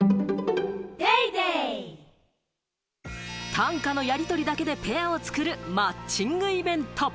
短歌のやり取りだけでペアを作るマッチングイベント。